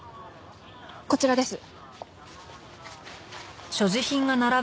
こちらです。